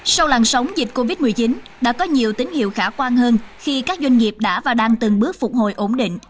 sau làn sóng dịch covid một mươi chín đã có nhiều tín hiệu khả quan hơn khi các doanh nghiệp đã và đang từng bước phục hồi ổn định